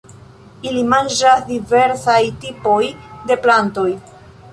Ili manĝas diversaj tipoj de plantoj.